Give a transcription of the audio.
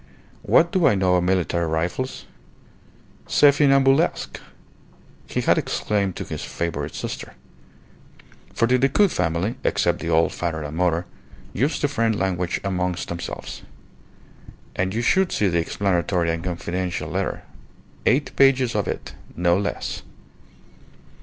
What do I know of military rifles? C'est funambulesque!" he had exclaimed to his favourite sister; for the Decoud family except the old father and mother used the French language amongst themselves. "And you should see the explanatory and confidential letter! Eight pages of it no less!"